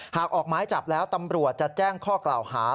ออกไม้จับแล้วตำรวจจะแจ้งข้อกล่าวหา